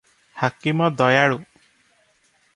ହାକିମ ଦୟାଳୁ ।